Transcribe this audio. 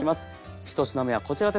１品目はこちらです。